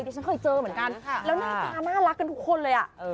ฉันเคยเจอเหมือนกันแล้วหน้าตาน่ารักกันทุกคนเลยอ่ะ